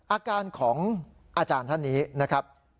อาการของอาจารย์ท่านนี้นะครับ